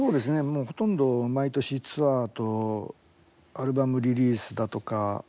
もうほとんど毎年ツアーとアルバムリリースだとか